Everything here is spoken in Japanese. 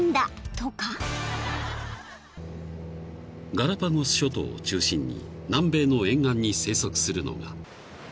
［ガラパゴス諸島を中心に南米の沿岸に生息するのが］